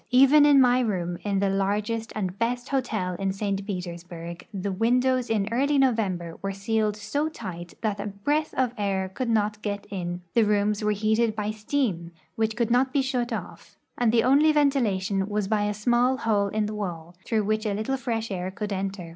Even in my room, in the largest and best hotel in St. Petersburg, the windows in early November Avere sealed so tight that a breath of air could not get in. The rooms Avere heated by steam, Avhich could not be shut off, and the only ventilation Avas by a small hole in the Avail, through Avhich a little fresh air could enter.